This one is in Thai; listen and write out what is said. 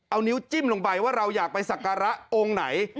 เอานิ้วจิ้มลงไปว่าเราอยากไปสักการะองค์ไหน